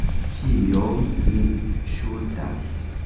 Kiom ni ŝuldas?